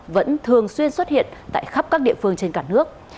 vẫn thường xuyên xuất hiện tại khắp các địa phương trên cả nước